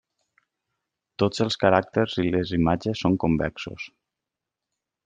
Tots els caràcters i les imatges són convexos.